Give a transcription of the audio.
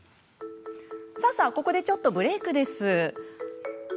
さあさあ、ここでちょっとブレークしましょう。